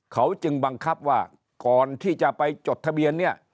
เขาจึงบังคับว่าก่อนที่จะไปจดทะเบียนเนี่ย